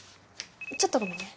ちょっとごめんね。